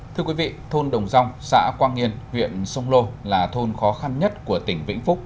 thưa quý vị thôn đồng dòng xã quang nghiên huyện sông lô là thôn khó khăn nhất của tỉnh vĩnh phúc